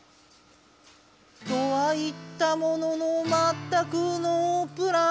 「とは言ったもののまったくノープラン」